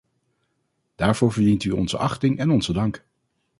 Daarvoor verdient u onze achting en onze dank.